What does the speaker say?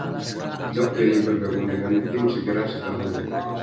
Doug Kelly bergabung dengan tim segera setelahnya.